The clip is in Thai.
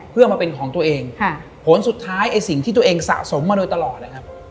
เพื่อมาเป็นของตัวเองผลสุดท้ายสิ่งที่ตัวเองสะสมมาโดยตลอด